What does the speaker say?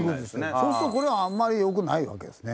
そうするとこれはあんまり良くないわけですね。